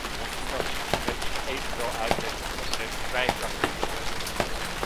Onze fractie spreekt zich evenwel uit tegen de ongeremde, vrije krachten van de markt.